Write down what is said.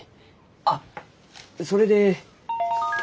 あっそれで。